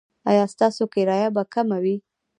ایا ستاسو کرایه به کمه وي؟